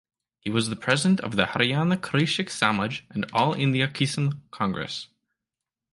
He was the president of the Haryana Krishak Samaj and All India Kisan Congress.